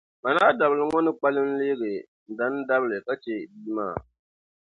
mani a dabili ŋɔ ni kpalim leegi n dan’ dabili ka chɛ bia maa.